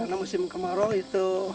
karena musim kemarau itu